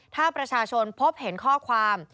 ถ้าประชาชนพบเห็นข้อความ